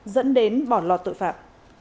dẫn đến bỏ lọt tội phạm